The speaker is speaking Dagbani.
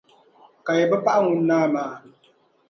ka yi bɛ paɣi ŋun naa maa.